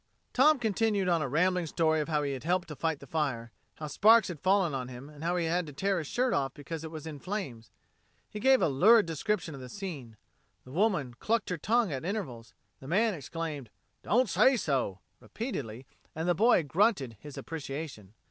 Tom continued on a rambling story of how he had helped to fight the fire, how sparks had fallen on him, and how he had to tear his shirt off because it was in flames. He gave a lurid description of the scene. The woman clucked her tongue at intervals, the man exclaimed, "Don't say so!" repeatedly, and the boy grunted his appreciation.